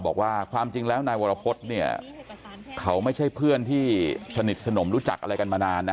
บอกว่าความจริงแล้วนายวรพฤษเนี่ยเขาไม่ใช่เพื่อนที่สนิทสนมรู้จักอะไรกันมานานนะ